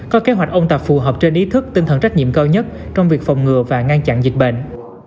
có kế hoạch ôn tập phù hợp trên ý thức tinh thần trách nhiệm cao nhất trong việc phòng ngừa và ngăn chặn dịch bệnh